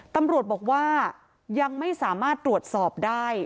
ตำรวจบอกว่ายังไม่สามารถตรวจสอบได้